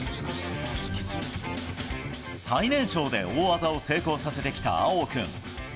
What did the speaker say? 最年少で大技を成功させてきた葵央君。